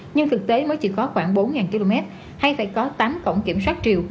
nhưng thực tế mới chỉ có khoảng bốn km hay phải có tám cổng kiểm soát chiều